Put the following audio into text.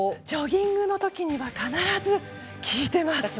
ジョギングのときには必ず聴いています。